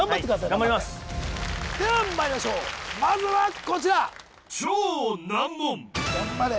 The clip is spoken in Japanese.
はい頑張りますではまいりましょうまずはこちら頑張れ